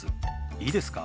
いいですか？